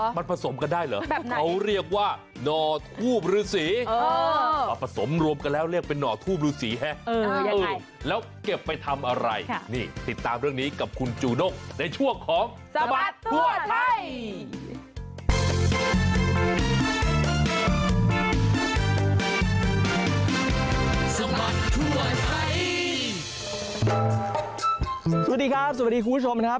สวัสดีครับสวัสดีคุณผู้ชมครับ